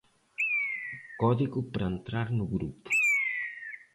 Código para entrar no grupo